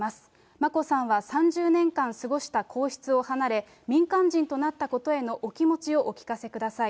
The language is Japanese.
眞子さんは３０年間過ごした皇室を離れ、民間人となったことへのお気持ちをお聞かせください。